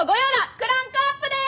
クランクアップでーす！